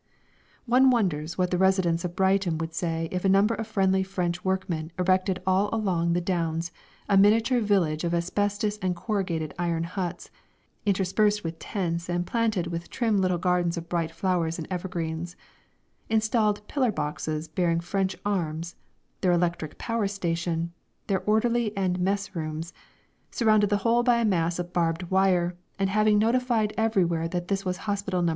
One wonders what the residents of Brighton would say if a number of friendly French workmen erected all along the Downs a miniature village of asbestos and corrugated iron huts, interspersed with tents and planted with trim little gardens of bright flowers and evergreens; installed pillar boxes bearing French arms, their electric power station, their orderly and mess rooms, surrounded the whole by a mass of barbed wire, and having notified everywhere that this was Hospital No.